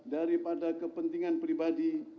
daripada kepentingan pribadi